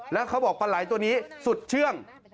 แล้วเขาบอกปลาไหล่ตัวนี้สุดเชื่อง